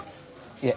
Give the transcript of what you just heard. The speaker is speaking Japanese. いえ。